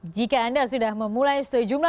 jika anda sudah memulai sejumlah